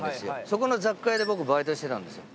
そこの雑貨屋で僕バイトしてたんですよ。